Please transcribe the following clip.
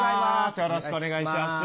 よろしくお願いします